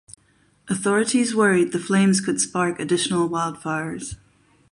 Authorities worried the flames could spark additional wildfires.